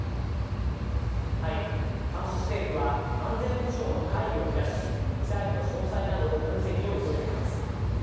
韓国政府は安全保障の会議を開き、ミサイルの詳細など分析を急いでいます。